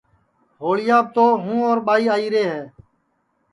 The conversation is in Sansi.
ہوݪیاپ تو ہوں اور ٻائی آئیرے ہے